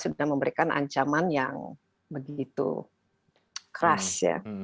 sudah memberikan ancaman yang begitu keras ya